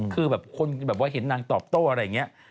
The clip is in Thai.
คือแบบคนแบบว่าเห็นนางตอบโต้อะไรอย่างนี้